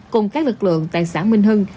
cùng các lực lượng tại xã minh hưng